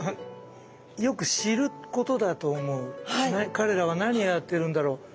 彼らは何をやってるんだろう？